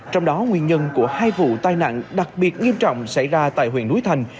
trong đó nguyên nhân của hai vụ tai nạn đặc biệt nghiêm trọng xảy ra tại huyện núi thành